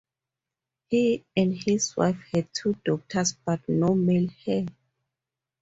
He and his wife had two daughters, but no male heir.